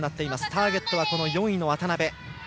ターゲットは４位の渡部。